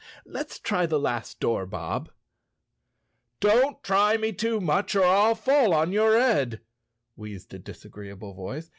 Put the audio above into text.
"Let's try the last door, Bob." "Don't try me too much or I'll fall on your head," wheezed a disagreeable voice.